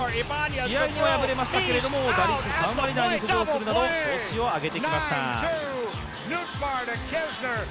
試合には敗れましたけど打率３割台に浮上するなど調子を上げてきました。